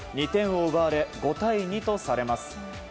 ２点を奪われ５対２とされます。